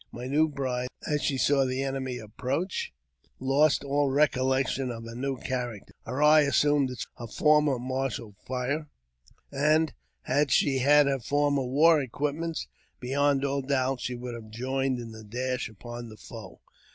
My new bride, as she saw the JAMES P. BECKWOUBTH. 333 enemy approach, lost all recollection of her new character ; hei* eye assumed its former martial fire, and, had she had her former war equipments, beyond all doubt she would have joined in the dash upon the foe.